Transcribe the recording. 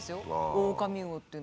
オオカミウオっていう。